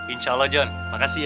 insya allah john makasih ya